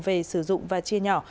về sử dụng và chia nhỏ